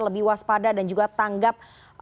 lebih waspada dan juga tanggap